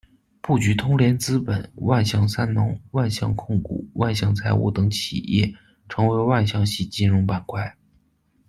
布局通联资本、万向三农、万向控股、万向财务等企业成为万向系金融板块。